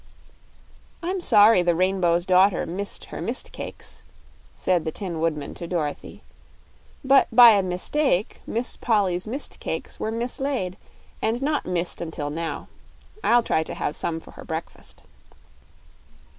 "I'm sorry the Rainbow's Daughter missed her mist cakes," said the Tin Woodman to Dorothy; "but by a mistake Miss Polly's mist cakes were mislaid and not missed until now. I'll try to have some for her breakfast."